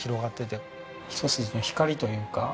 一筋の光というか。